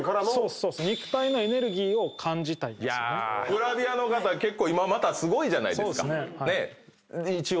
グラビアの方結構今またすごいじゃないですか。